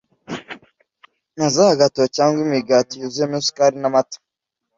na za gato cyangwa imigati yuzuyemo isukari namata